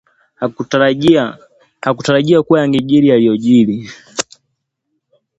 Hakutarajia kuwa yangejiri yaliyojiri